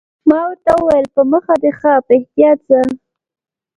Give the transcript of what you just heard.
ما ورته وویل: په مخه دې ښه، په احتیاط ځه.